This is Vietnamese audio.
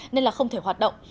nên là không thể hoạt động